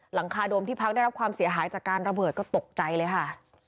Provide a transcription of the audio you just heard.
หลังคาโดมที่พักได้รับความเสียหายจากการระเบิดก็ตกใจเลยค่ะ